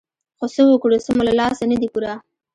خو څه وکړو څه مو له لاسه نه دي پوره.